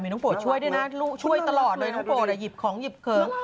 น้องโปรดช่วยด้วยนะช่วยตลอดเลยน้องโปรดหยิบของหยิบเขิง